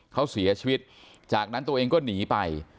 เขาเสียชีวิตจากนั้นตัวเองก็หนีไป